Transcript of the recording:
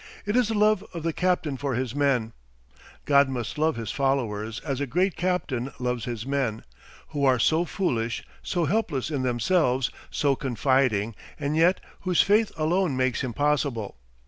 It is the love of the captain for his men; God must love his followers as a great captain loves his men, who are so foolish, so helpless in themselves, so confiding, and yet whose faith alone makes him possible.